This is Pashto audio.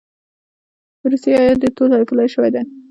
د روسیې هیات ډېر تود هرکلی شوی دی.